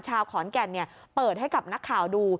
ชาวขอนแก่นเปิดให้กับนักข่าวดู